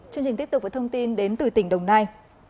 chương trình tiếp tục với thông tin đến từ tỉnh đồng nai